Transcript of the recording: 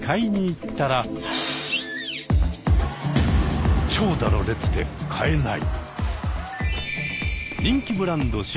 またも長蛇の列で買えない！